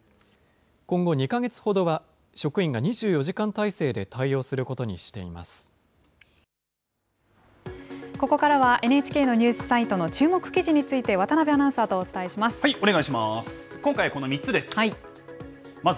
今後２か月ほどは、職員が２４時間態勢で対応することにしていまここからはＮＨＫのニュースサイトの注目記事について、渡辺アナウンサーとお伝えします。